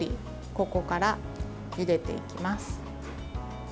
ここからゆでていきます。